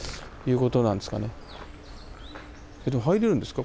でも入れるんですか？